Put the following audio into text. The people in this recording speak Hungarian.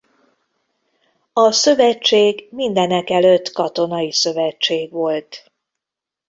A szövetség mindenekelőtt katonai szövetség volt.